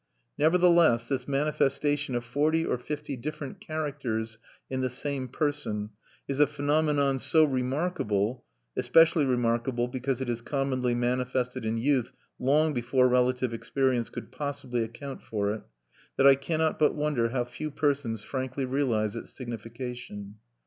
Nevertheless this manifestation of forty or fifty different characters in the same person is a phenomenon so remarkable (especially remarkable because it is commonly manifested in youth long before relative experience could possibly account for it) that I cannot but wonder how few persons frankly realize its signification.